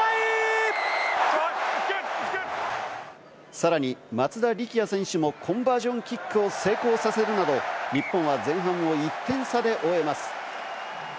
さらに松田力也選手もコンバージョンキックを成功させるなど、日本は前半を１点差で終えます。